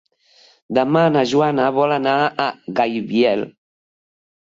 Demà na Joana vol anar a Gaibiel.